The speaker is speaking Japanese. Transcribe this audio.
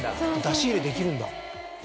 出し入れできるんだ。